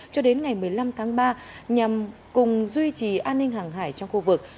cho đến ngày một mươi năm tháng ba nhằm cùng duy trì an ninh hàng hải trong khu vực